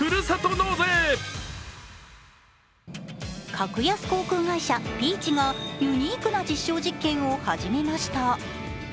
格安航空会社ピーチがユニークな実証実験を始めました。